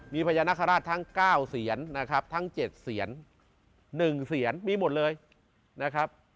มีพญานาคาราชทั้ง๙เสียนนะครับทั้ง๗เสียน๑เสียนมีหมดเลยนะครับ